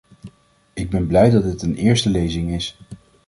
Ik ben blij dat dit een eerste lezing is.